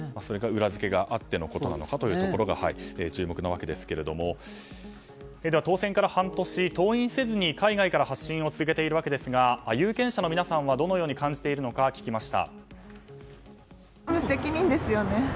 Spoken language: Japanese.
裏付けがあってのことなのかということが注目なわけですが当選から半年登院せずに海外から発信を続けているわけですが有権者の皆さんはどのように感じているのか聞きました。